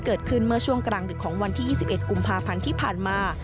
เกิดขึ้นเมื่อช่วงกลางดึกของวันที่๒๑กุมภาพันธ์ที่ผ่านมา